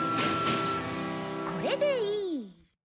これでいい。